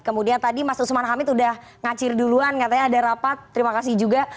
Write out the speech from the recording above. kemudian tadi mas usman hamid udah ngacir duluan katanya ada rapat terima kasih juga